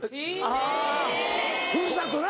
あぁふるさとな。